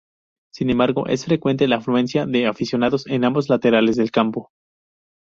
Sin embargo, es frecuente la afluencia de aficionados en ambos laterales del campo.